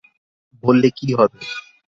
বললে কী হবে।